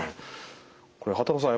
これ波多野さん